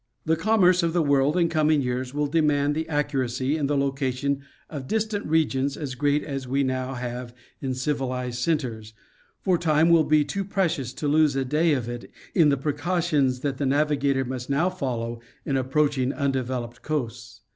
The commerce of the world in coming years will demand the ' accuracy in the location of distant regions as great as we now have in civilized centres, for time will be too precious to lose a day of it in the precautions that the navigator must now follow in approaching undeveloped coasts.